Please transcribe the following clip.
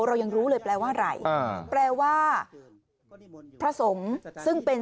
เรายังรู้เลยแปลว่าไรแปลว่าพระพระสงตร์ซึ่งเป็น